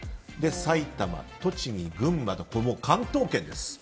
埼玉、栃木、群馬と共に関東圏です。